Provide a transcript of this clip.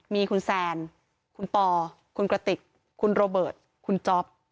มีคุณแซนคุณปอคุณกระติกคุณโรเบิร์ตคุณจ๊อป